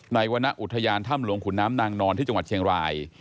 วรรณอุทยานถ้ำหลวงขุนน้ำนางนอนที่จังหวัดเชียงราย